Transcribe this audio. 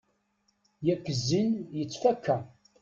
Yak zzin yettfakka.